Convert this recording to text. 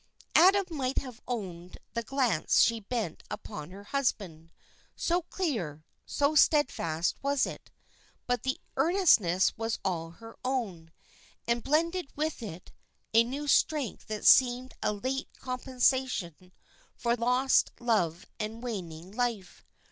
Adam might have owned the glance she bent upon her husband, so clear, so steadfast was it; but the earnestness was all her own, and blended with it a new strength that seemed a late compensation for lost love and waning life.